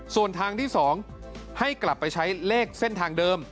ส่วนทางที่๒ให้กลับไปใช้เลขเส้นทางเดิม